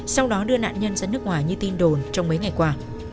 sau đó đưa nạn nhân ra nước ngoài như tin đồn trong mấy ngày qua